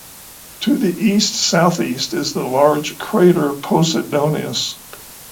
To the east-southeast is the large crater Posidonius.